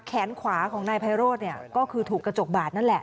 แขนขวาของนายไพโรธเนี่ยก็คือถูกกระจกบาดนั่นแหละ